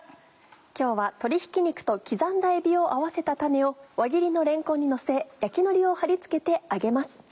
今日は鶏ひき肉と刻んだえびを合わせたたねを輪切りのれんこんにのせ焼きのりをはり付けて揚げます。